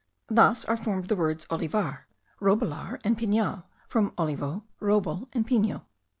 Thus are formed the words olivar, robledar, and pinal, from olivo, roble, and pino.